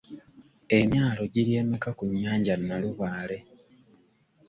Emyalo giri emeka ku nnyanja Nalubaale?